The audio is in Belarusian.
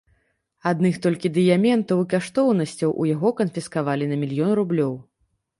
Адных толькі дыяментаў і каштоўнасцяў у яго канфіскавалі на мільён рублёў.